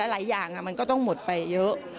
หลายอย่างมันก็ต้องหมดไปเยอะ